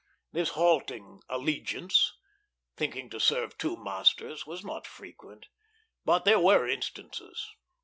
This halting allegiance, thinking to serve two masters, was not frequent; but there were instances.